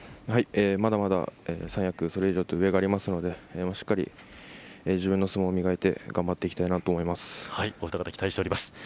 まだまだ三役それ以上と上がありますのでしっかり自分の相撲を磨いて頑張っていきたいと思います。